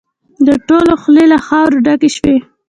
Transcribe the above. د ټولو خولې له خاورو ډکې شوې.